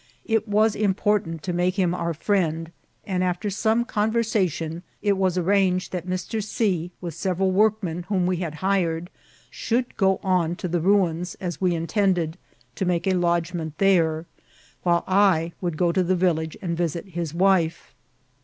It was inqportant to make him omr friend ; and, after s<»ne eon* versation, it vras arranged that Mr. C, vfith several vmrkmen whom we had hired, should go on to the ra« ms, as we intended, to make a lodgment there, while I would go to the village and visit his vrife.